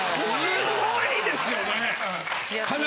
すごいですよね。